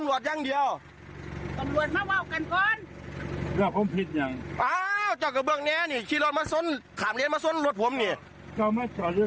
กล้องหลานรถผมกับมี่